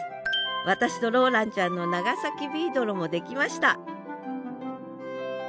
私とローランちゃんの長崎ビードロも出来ました